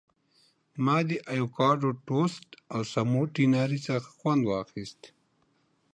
ما د ایوکاډو ټوسټ او سموټي ناري څخه خوند واخیست.